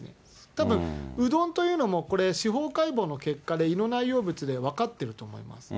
たぶん、うどんというのもこれ、司法解剖の結果で、胃の内容物で分かってると思います。